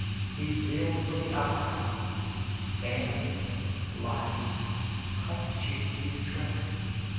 His zeal for the upright, manly life constituted his strength.